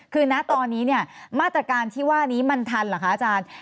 คือนักตอนนี้มาตรการที่ว่านี้มันทันหรือคะอาจารย์